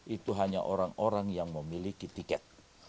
itu hanya orang orang yang memiliki tiket